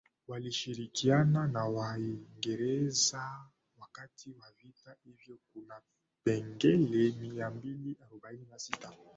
walishirikiana na Waingereza wakati wa vita Hivyo kuna kipengele mia mbili arobaini na sita